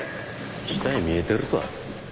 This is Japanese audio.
死体見えてるぞ。